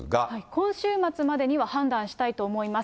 今週末までには判断したいと思います。